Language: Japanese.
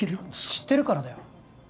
知ってるからだよ